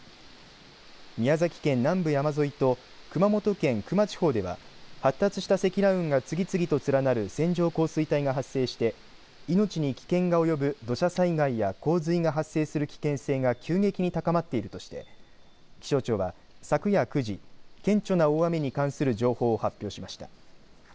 宮崎県南部山沿いと熊本県球磨地方では発達した積乱雲が次々と連なる線状降水帯が発生して命に危険が及ぶ土砂災害や洪水が発生する危険性が急激に高まっているとして気象庁は昨夜９時顕著な大雨に関する情報を発表しました。